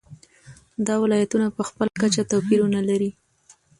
دا ولایتونه په خپله کچه توپیرونه لري.